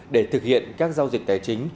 để thực hiện các giao dịch tài chính